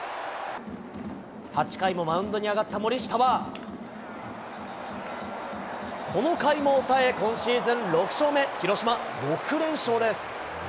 ８回もマウンドに上がった森下は、この回も抑え、今シーズン６勝目。